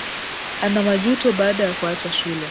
Ana majuto baada ya kuacha shule